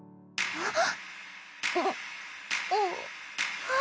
あっ。